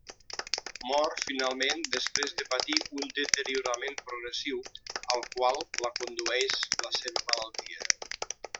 Mor finalment després de patir un deteriorament progressiu al qual la condueix la seva malaltia.